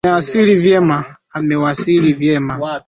Amewasili vyema